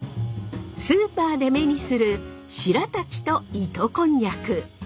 スーパーで目にするしらたきと糸こんにゃく。